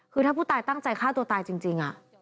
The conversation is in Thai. คือถ้าผู้ตายตั้งใจฆ่าตัวตายจริง